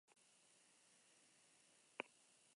Arrautzen zuringoan ere ugaria da.